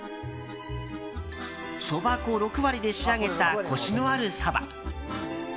そば粉６割で仕上げたコシのあるそば。